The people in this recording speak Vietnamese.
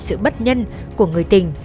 sự bất nhân của người tình